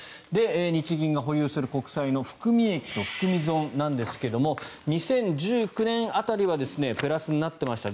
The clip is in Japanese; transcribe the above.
日銀が保有する国債の含み益と含み損なんですが２０１９年辺りはプラスになっていました。